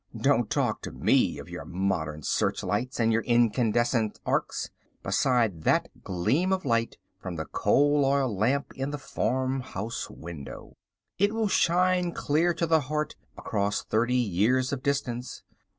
Don't talk to me of your modern searchlights and your incandescent arcs, beside that gleam of light from the coal oil lamp in the farmhouse window. It will shine clear to the heart across thirty years of distance.